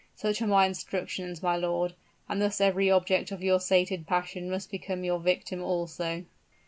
Such are my instructions, my lord; and thus every object of your sated passion must become your victim also."